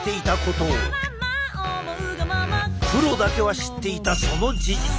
プロだけは知っていたその事実。